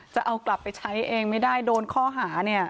จะเอากลับไปใช้เองไม่ได้โดนข้อหาเนี่ย